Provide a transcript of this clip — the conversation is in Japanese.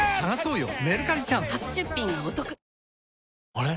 あれ？